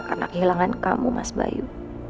karena kehilangan kamu mas bayu